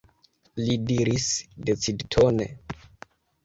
li diris decidtone.